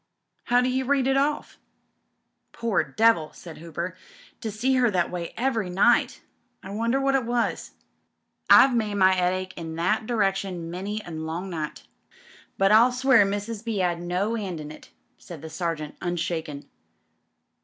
How do you read it off?" "Poor devil I'* raid Hooper. "To see her that waj every night! I wonder what it was." MRS. BATHURST 335 "I've made my 'ead ache in that direction many a long night." "But I'll swear Mrs. B. 'ad no 'and in it," said the Sergeant unshaken.